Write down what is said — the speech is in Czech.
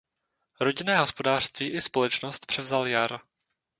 Rodinné hospodářství i společnost převzal Jar.